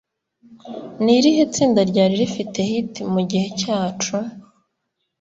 Nirihe tsinda Ryari rifite Hit mugihe cyacu